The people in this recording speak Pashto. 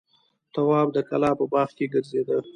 تواب د کلا په باغ کې ګرځېده.